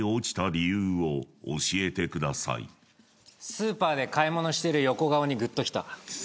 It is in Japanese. スーパーで買い物してる横顔にグっときた。